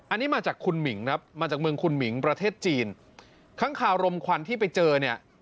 อันนี้มาจากคุณหมิงครับมาจากเมืองคุณหมิงประเทศจีนค้างคารมควันที่ไปเจอเนี่ย